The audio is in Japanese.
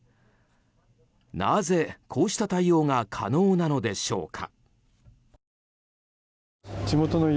なぜ、こうした対応が可能なのでしょうか。